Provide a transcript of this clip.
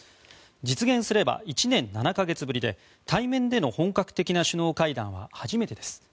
実現すれば１年７か月ぶりで対面での本格的な首脳会談は初めてです。